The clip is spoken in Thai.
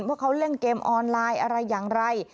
ว่าเขาเล่นเกมออนไลน์อะไรอย่างไร